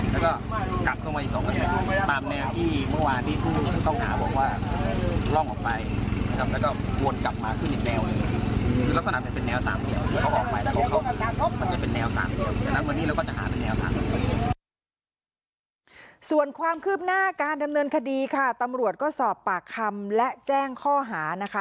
ส่วนความคืบหน้าการดำเนินคดีค่ะตำรวจก็สอบปากคำและแจ้งข้อหานะคะ